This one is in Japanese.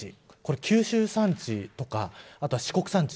九州山地とか四国山地